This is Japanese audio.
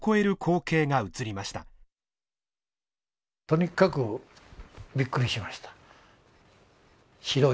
とにかくびっくりしました。